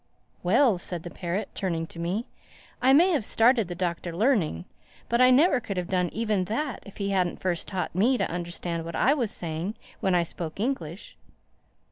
"Well," said the parrot, turning to me, "I may have started the Doctor learning but I never could have done even that, if he hadn't first taught me to understand what I was saying when I spoke English.